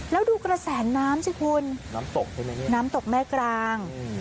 แล้วดูกระแสน้ำสิคุณน้ำตกใช่ไหมเนี่ยน้ำตกแม่กลาง